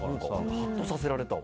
ハッとさせられたわ。